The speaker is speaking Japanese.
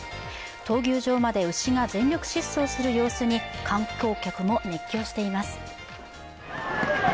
闘牛場まで牛が全力疾走する様子に、観光客も熱狂しています。